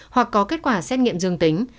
hoặc có kết quả xét nghiệm dương tính